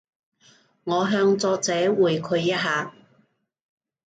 我向作者回饋一下